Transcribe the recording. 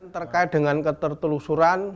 terkait dengan ketelusuran